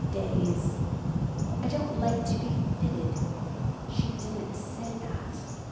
Days. I don't like to be fitted. She didn't say that.